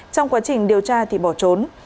trong quá trình điều tra thì bỏ trốn